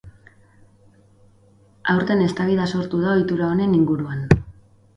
Aurten eztabaida sortu da ohitura honen inguruan.